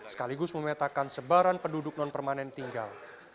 sekaligus memetakan sebaran penduduk non permanen tinggal